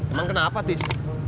emang kenapa tis